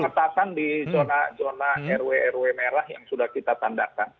mas bayu masuk pengetahuan di zona zona rw rw merah yang sudah kita tandakan